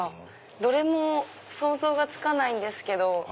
どれも想像がつかないんですけど。